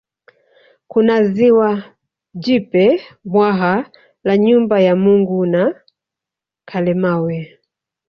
Kuna ziwa Jipe bwawa la Nyumba ya Mungu na Kalemawe